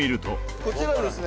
「こちらはですね